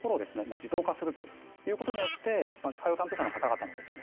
自動化するということによって採用担当者の方々のですね